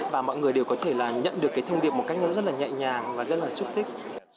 và mọi người đều có thể nhận được thông điệp một cách rất nhẹ nhàng và rất là xúc thích